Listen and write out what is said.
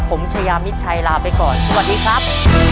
ผมชายามิดชัยลาไปก่อนสวัสดีครับ